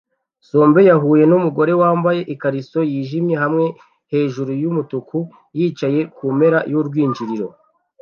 somber yahuye numugore wambaye ikariso yijimye hamwe hejuru yumutuku yicaye kumpera yurwinjiriro